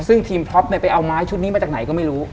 ซึ่งทีมพล็อปไปเอาไม้ชุดนี้มาจากไหนก็ไม่รู้